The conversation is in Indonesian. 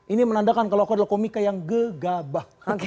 ini menandakan kalau aku adalah komika yang gegabah